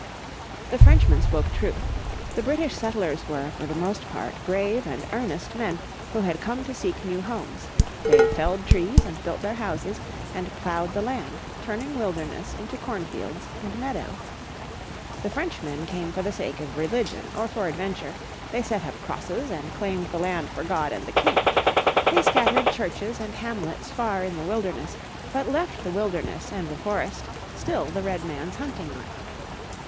The Frenchman spoke truth. The British settlers were, for the most part, grave and earnest men who had come to seek new homes. They felled trees and built their houses, and ploughed the land, turning wilderness into cornfields and meadow. The Frenchmen came for the sake of religion or for adventure, they set up crosses and claimed the land for God and the King. They scattered churches and hamlets far in the wilderness, but left the wilderness and the forest still the Redman's hunting ground.